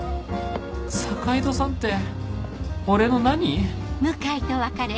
坂井戸さんって俺の何？